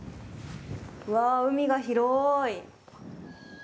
うわ、海が広い。